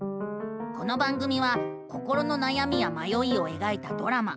この番組は心のなやみやまよいをえがいたドラマ。